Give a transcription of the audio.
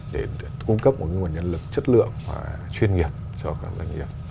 để cung cấp một nguồn nhân lực chất lượng và chuyên nghiệp cho các doanh nghiệp